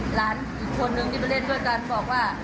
หลานอีกคนนึงที่ไปเล่นด้วยกันบอกว่า